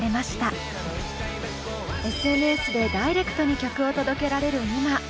ＳＮＳでダイレクトに曲を届けられる今。